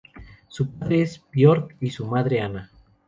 Su padre es Piotr y su madre Anna.